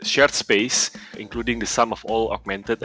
termasuk sumber semua dunia virtual dan augmented